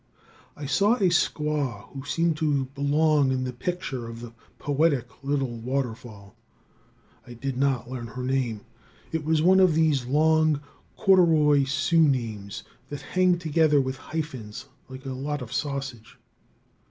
I saw a squaw who seemed to belong in the picture of the poetic little waterfall. I did not learn her name. It was one of these long, corduroy Sioux names, that hang together with hyphens like a lot of sausage.